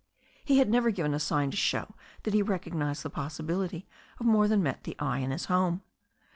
He had never given a sign to show that he recognized the possibility of more than met the eye in his home.